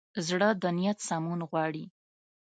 زړه د نیت سمون غواړي.